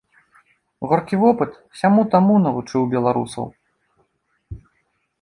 Горкі вопыт сяму-таму навучыў беларусаў.